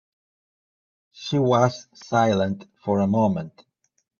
She was silent for a moment.